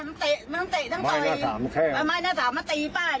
มันเตะมันต้องเตะทั้งต่อยไม้หน้าสามไม้แข้งไม้หน้าสามมาตีป้า